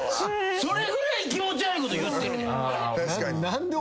それぐらい気持ち悪いこと言ってるで。